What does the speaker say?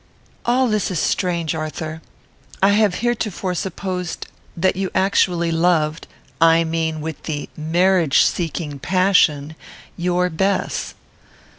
"All this is strange, Arthur. I have heretofore supposed that you actually loved (I mean with the marriage seeking passion) your Bess."